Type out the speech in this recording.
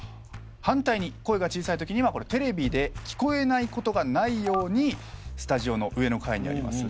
反対に声が小さいときにはテレビで聞こえないことがないようにスタジオの上の階にあります